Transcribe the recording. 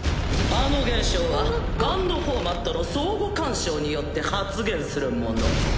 あの現象はＧＵＮＤフォーマットの相互干渉によって発現するもの。